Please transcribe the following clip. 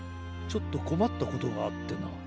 ちょっとこまったことがあってな。